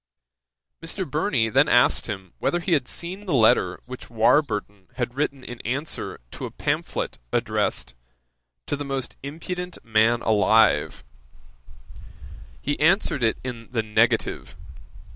Mr. Burney then asked him whether he had seen the letter which Warburton had written in answer to a pamphlet addressed "To the most impudent Man alive." He answered in the negative.